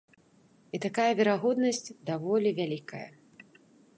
І такая верагоднасць даволі вялікая.